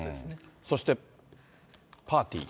そして、パーティー。